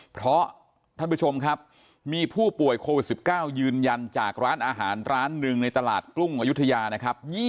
เพราะท่านผู้ชมครับมีผู้ป่วยโควิด๑๙ยืนยันจากร้านอาหารร้านหนึ่งในตลาดกุ้งอายุทยานะครับ